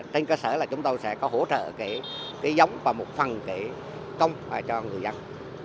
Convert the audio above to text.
trên cơ sở là chúng ta sẽ có hỗ trợ giống và một phần công cho người dân